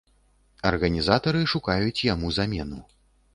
Арганізатары шукаюць яму замену.